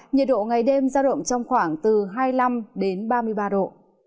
nhiệt độ ngày đêm giao động trong khoảng từ hai mươi năm đến ba mươi ba độ